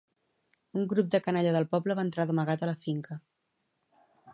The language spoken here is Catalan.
un grup de canalla del poble va entrar d'amagat a la finca